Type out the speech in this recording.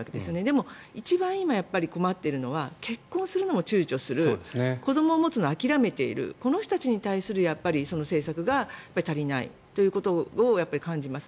でも、一番今困っているのは結婚するのも躊躇する子どもを持つのを諦めているこの人たちに対する政策が足りないということを感じます。